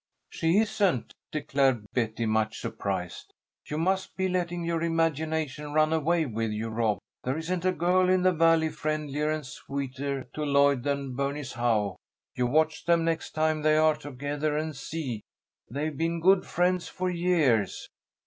"She isn't!" declared Betty, much surprised. "You must be letting your imagination run away with you, Rob. There isn't a girl in the Valley friendlier and sweeter to Lloyd than Bernice Howe. You watch them next time they are together, and see. They've been good friends for years."